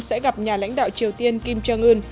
sẽ gặp nhà lãnh đạo triều tiên kim jong un